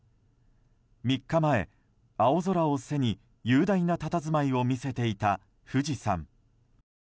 ３日前、青空を背に雄大なたたずまいを見せていた富士山。